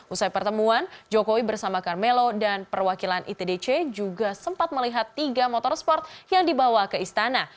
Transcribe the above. usai pertemuan jokowi bersama carmelo dan perwakilan itdc juga sempat melihat tiga motorsport yang dibawa ke istana